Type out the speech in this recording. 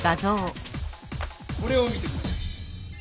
これを見て下さい。